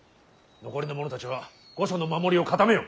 残りの者たちは御所の守りを固めよ。